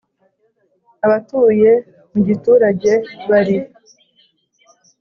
Abatuye mu giturage bari